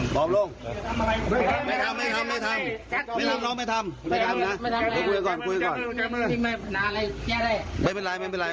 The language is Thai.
บอบลุงพบไม่ทำเดี๋ยวคุยกันก่อน